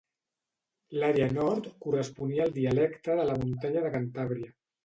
L'àrea nord corresponia al dialecte de la muntanya de Cantàbria.